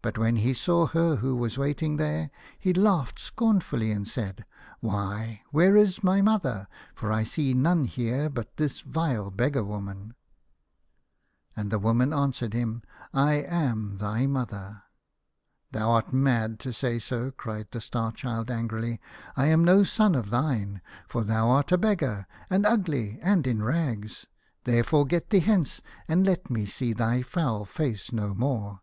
But when he saw her who was waiting there, he laughed scornfully and said, " Why, where is my mother ? For I see none here but this vile beggar woman." 140 The Star Child. And the woman answered him, " I am thy mother." " Thou art mad to say so,'" cried the Star Child angrily. " I am no son of thine, for thou art a beggar, and ugly, and in rags. There fore get thee hence, and let me see thy foul face no more."